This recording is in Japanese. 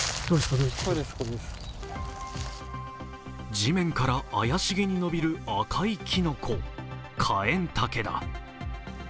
地面から怪しげに伸びる赤いきのこ、カエンタケだ。